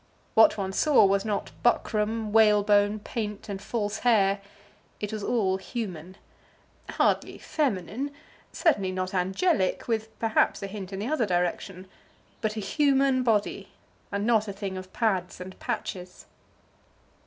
What one saw was not buckram, whalebone, paint, and false hair. It was all human, hardly feminine, certainly not angelic, with perhaps a hint in the other direction, but a human body, and not a thing of pads and patches.